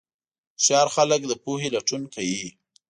هوښیار خلک د پوهې لټون کوي.